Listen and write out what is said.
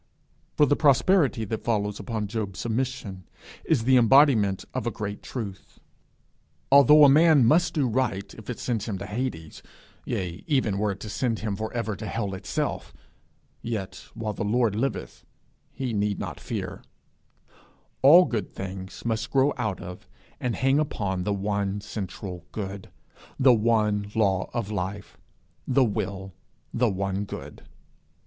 For the prosperity that follows upon Job's submission, is the embodiment of a great truth. Although a man must do right if it send him to Hades, yea, even were it to send him for ever to hell itself, yet, while the Lord liveth, we need not fear: all good things must grow out of and hang upon the one central good, the one law of life the Will, the One Good.